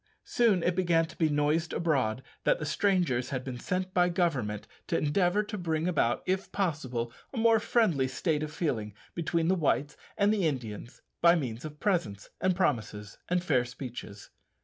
Soon it began to be noised abroad that the strangers had been sent by Government to endeavour to bring about, if possible, a more friendly state of feeling between the Whites and the Indians by means of presents, and promises, and fair speeches.